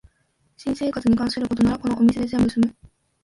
新生活に関することならこのお店で全部すむ